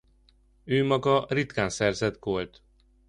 Ő maga ritkán szerzett gólt.